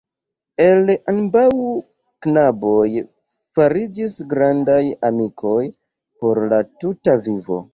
El ambaŭ knaboj fariĝis grandaj amikoj por la tuta vivo.